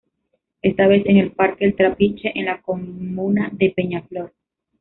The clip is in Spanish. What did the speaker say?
Esta vez, en el Parque El Trapiche, en la comuna de Peñaflor.